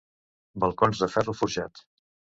Balcons de ferro forjat.